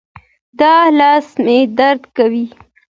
دا لاس مې درد کوي